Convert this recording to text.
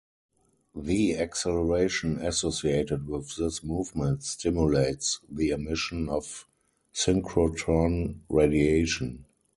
The acceleration associated with this movement stimulates the emission of synchrotron radiation.